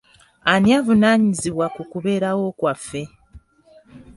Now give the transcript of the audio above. Ani avunaanyizibwa ku kubeerawo kwaffe?